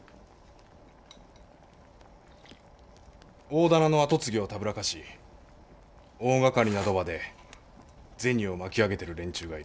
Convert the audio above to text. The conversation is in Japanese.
大店の跡継ぎをたぶらかし大がかりな賭場で銭を巻き上げてる連中がいる。